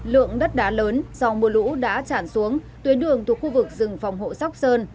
lượng đất đá lớn sau mưa lũ đã tràn xuống tuyến đường thuộc khu vực rừng phòng hộ sóc sơn